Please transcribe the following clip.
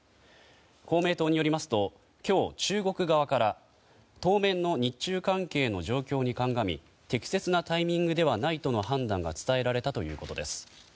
公明党によりますと今日、中国側から当面の日中関係の状況に鑑み適切なタイミングではないとの判断が伝えられたということです。